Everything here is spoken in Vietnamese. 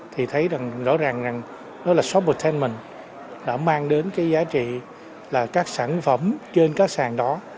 thì thấy rằng rõ ràng rằng đó là sophaltention đã mang đến cái giá trị là các sản phẩm trên các sàn đó